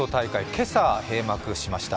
今朝閉幕しました。